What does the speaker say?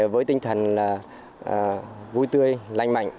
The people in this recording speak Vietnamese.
với tinh thần vui tươi lành mạnh